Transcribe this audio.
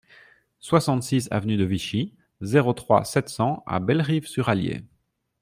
soixante-six avenue de Vichy, zéro trois, sept cents à Bellerive-sur-Allier